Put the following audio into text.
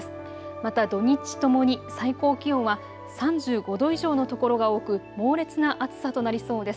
また土日ともに最高気温は３５度以上の所が多く猛烈な暑さとなりそうです。